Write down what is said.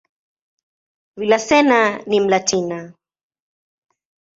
Villaseñor ni "Mlatina".